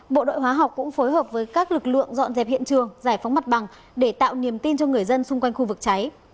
bộ đội hóa học cũng phối hợp với các lực lượng dọn dẹp hiện trường giải phóng mặt bằng để tạo niềm tin cho người dân xung quanh khu vực cháy